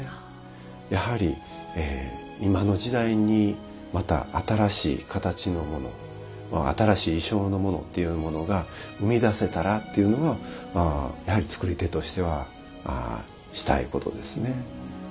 やはり今の時代にまた新しい形のもの新しい意匠のものっていうものが生み出せたらっていうのはやはり作り手としてはしたいことですね。